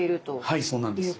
はいそうなんです。